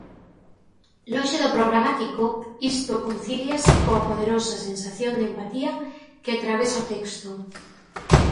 Lonxe do programático, isto concíliase coa poderosa sensación de empatía que atravesa o texto.